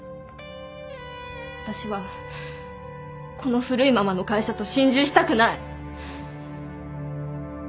私はこの古いままの会社と心中したくない